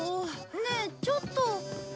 ねえちょっと。